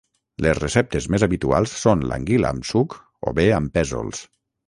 Les receptes més habituals són l'anguila amb suc o bé amb pèsols.